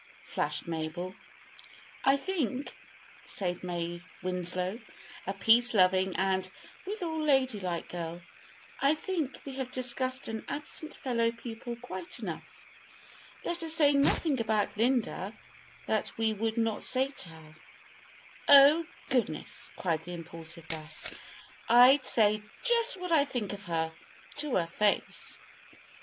flashed Mabel. "I think," said May Winslow, a peace loving and, withal, ladylike girl "I think we have discussed an absent fellow pupil quite enough. Let us say nothing about Linda that we would not say to her." "Oh, goodness!" cried the impulsive Bess. "I'd say just what I think of her, to her face."